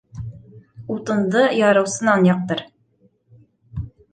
Утынды ярыусынан яҡтыр